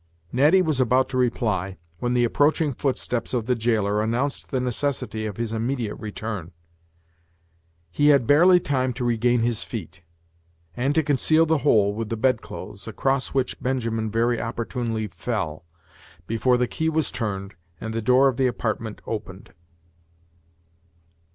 Natty was about to reply, when the approaching footsteps of the jailer announced the necessity of his immediate return. He had barely time to regain his feet, and to conceal the hole with the bedclothes, across which Benjamin very opportunely fell, before the key was turned, and the door of the apartment opened.